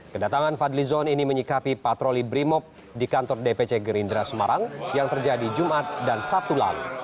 kedatangan fadli zon ini menyikapi patroli brimob di kantor dpc gerindra semarang yang terjadi jumat dan sabtu lalu